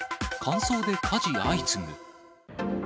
乾燥で火事相次ぐ。